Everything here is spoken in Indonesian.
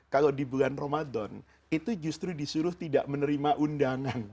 kalau di bulan ramadan itu justru disuruh tidak menerima undangan